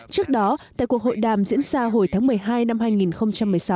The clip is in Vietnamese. trước đó tại cuộc hội đàm diễn ra hồi tháng một mươi hai năm hai nghìn một mươi sáu